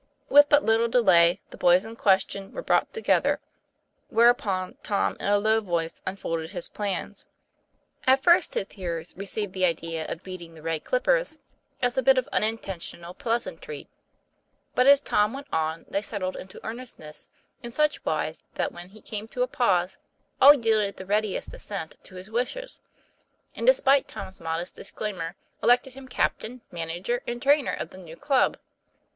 With but little delay, the boys in question were brought together; whereupon Tom in a low voice unfolded his plans. At first his hearers received the idea of beating the Red Clippers as a bit of unin tentional pleasantry, but as Tom went on, they settled into earnestness in such wise, that when he came to a pause, all yielded the readiest assent to his wishes, and despite Tom's modest disclaimer elected him captain, manager, and trainer of the new club.